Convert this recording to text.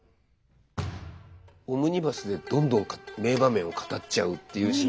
オムニバスでどんどん名場面を語っちゃうっていうシーンですね。